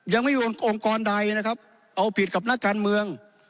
ยังไม่มีองค์กรใดนะครับเอาผิดกับนักการเมือง